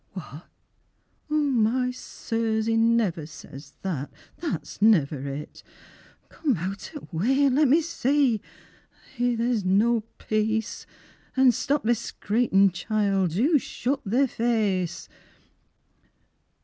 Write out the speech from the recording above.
What oh my sirs, 'e never says that, That's niver it. Come out o' the way an' let me see, Eh, there's no peace! An' stop thy scraightin', childt, Do shut thy face.